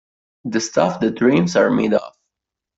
The Stuff That Dreams Are Made Of